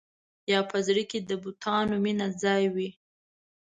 یا په زړه کې د بتانو مینه ځای وي.